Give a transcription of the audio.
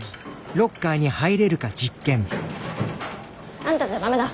あんたじゃダメだ。